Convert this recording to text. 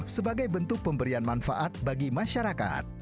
sebagai bentuk pemberian manfaat bagi masyarakat